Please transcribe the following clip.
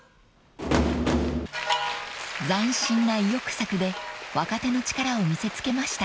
［斬新な意欲作で若手の力を見せつけました］